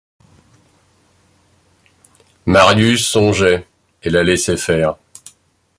Marius songeait, et la laissait faire.